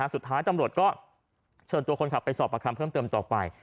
สุดท้ายตำรวจก็เชิญตัวคนขับไปสอบประคำเพิ่มเติมต่อไป